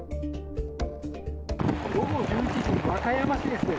午後１１時和歌山市です。